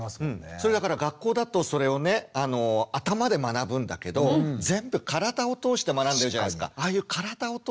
それだから学校だとそれをね頭で学ぶんだけど全部体を通して学んでるじゃないですか。